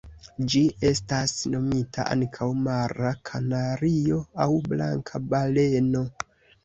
Ĝi estas nomita ankaŭ Mara kanario aŭ Blanka baleno.